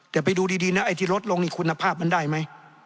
แต่ไปดูดีนะไอ้ที่ลดลงนี่คุณภาพมันได้ไหม